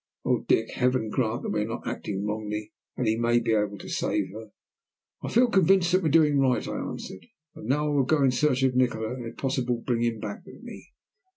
Oh, Dick, Heaven grant that we are not acting wrongly, and that he may be able to save her." "I feel convinced that we are doing right," I answered. "And now I will go in search of Nikola, and if possible bring him back with me."